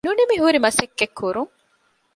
ނުނިމިހުރި މަސައްކަތްކުރުން